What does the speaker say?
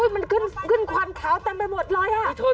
มันขึ้นควันขาวเต็มไปหมดเลย